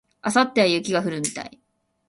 明後日は雪が降るみたい